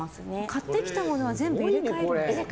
買ってきたものは全部入れ替えるんですか。